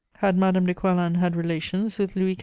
Had Madame de Coislin had relations with Louis XV.?